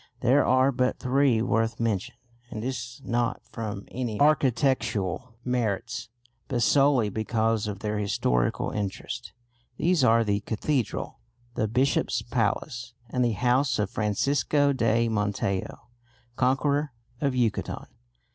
There are but three worth mention, and this not from any architectural merits but solely because of their historical interest. These are the cathedral, the bishop's palace, and the house of Francisco de Montejo, conqueror of Yucatan.